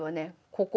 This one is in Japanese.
ここ。